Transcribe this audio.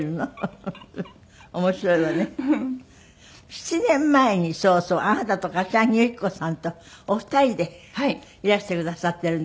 ７年前にそうそうあなたと柏木由紀子さんとお二人でいらしてくださってるんです。